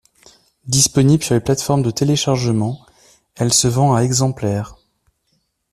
Disponible sur les plates-formes de téléchargement, elle se vend à exemplaires.